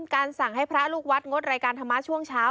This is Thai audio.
การสั่งให้พระลูกวัดงดรายการธรรมะช่วงเช้า